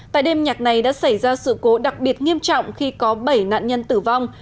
tại đêm nhạc này đã xảy ra sự cố đặc biệt nghiêm trọng khi có bảy nạn nhân tử vong